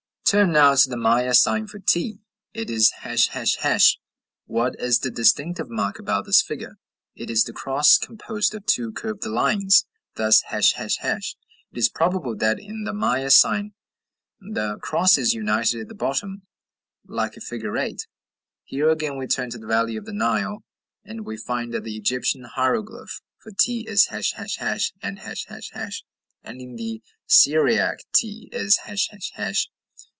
Turn now to the Maya sign for t: it is ###,. What is the distinctive mark about this figure? It is the cross composed of two curved lines, thus, ###. It is probable that in the Maya sign the cross is united at the bottom, like a figure 8. Here again we turn to the valley of the Nile, and we find that the Egyptian hieroglyph for t is ### and ###; and in the Syriac t it is ###.